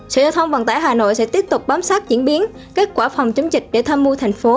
sở giao thông vận tải hà nội sẽ tiếp tục bám sát diễn biến kết quả phòng chống dịch để tham mưu thành phố